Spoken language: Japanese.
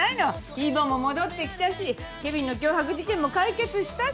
ヒー坊も戻ってきたしケビンの脅迫事件も解決したし。